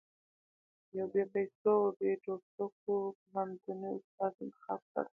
يو بې پيسو او بې ټوپکو پوهنتوني استاد انتخاب کړ.